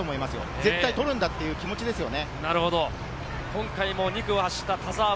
絶対取るんだという気持ちですよね。